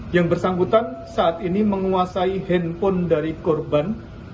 yang bersangkutan saat ini menguasai handphone dari korban